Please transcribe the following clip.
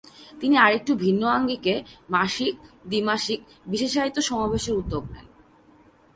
তিনি আরেকটু ভিন্ন আঙ্গিকে মাসিক, দ্বি-মাসিক বিশেষায়িত সমাবেশের উদ্যোগ নেন।